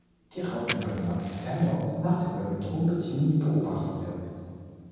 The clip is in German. Die Raupen können ab September und nach der Überwinterung bis Juni beobachtet werden.